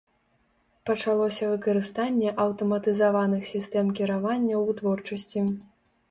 Пачалося выкарыстанне аўтаматызаваных сістэм кіравання ў вытворчасці.